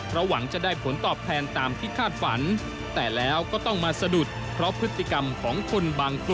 เพราะหวังจะได้ผลตอบแผนตามที่คาดฝัน